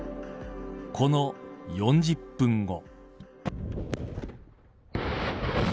この４０分後。